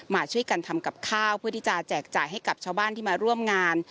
มาช่วยกันทำกับข้าวเพื่อที่จะแจกจ่ายให้กับชาวบ้านที่มาร่วมงาน